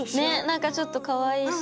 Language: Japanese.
なんかちょっとかわいいし。